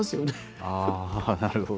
ああなるほど。